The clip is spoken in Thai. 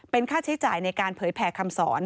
เป็นค่าใช้จ่ายในการเผยแผ่คำสอน